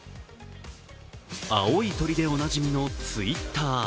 青い鳥でおなじみのＴｗｉｔｔｅｒ。